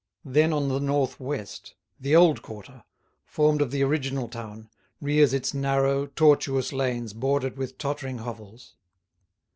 Then on the north west, the old quarter, formed of the original town, rears its narrow, tortuous lanes bordered with tottering hovels.